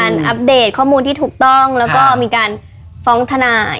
แล้วก็มีการฟ้องธนาย